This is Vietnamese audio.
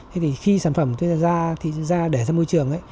thế thì khi sản phẩm tôi ra để ra môi trường